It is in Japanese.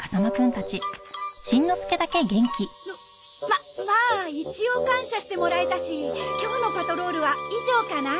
ままあ一応感謝してもらえたし今日のパトロールは以上かな。